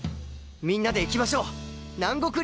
みんなで行きましょう南国リゾート！